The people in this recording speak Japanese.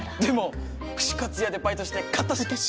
でも串カツ屋でバイトして買ったし。